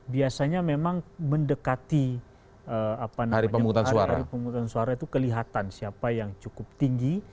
biasanya memang mendekati hari hari pemungutan suara itu kelihatan siapa yang cukup tinggi